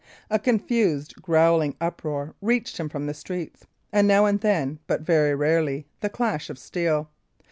A confused, growling uproar reached him from the streets, and now and then, but very rarely, the clash of steel.